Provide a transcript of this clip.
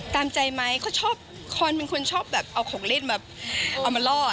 กามใจไหมก็ชอบคอนค์เป็นคนชอบเอาของเล็ดเอามาล่อ